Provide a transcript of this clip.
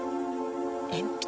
鉛筆？